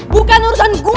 bukan urusan gue